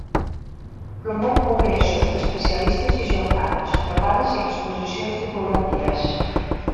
Promou congressos d'especialistes i jornades, trobades i exposicions divulgatives.